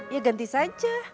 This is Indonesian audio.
ya ganti saja